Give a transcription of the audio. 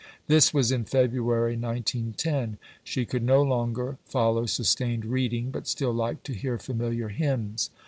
This was in February 1910. She could no longer follow sustained reading, but still liked to hear familiar hymns.